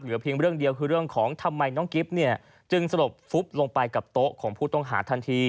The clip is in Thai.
เพียงเรื่องเดียวคือเรื่องของทำไมน้องกิ๊บเนี่ยจึงสลบฟุบลงไปกับโต๊ะของผู้ต้องหาทันที